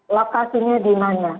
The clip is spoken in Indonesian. lokasinya di mana